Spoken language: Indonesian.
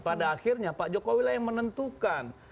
pada akhirnya pak jokowi lah yang menentukan